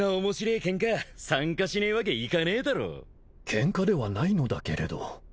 ケンカではないのだけれど